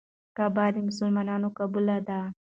کعبه د مسلمانانو قبله ده.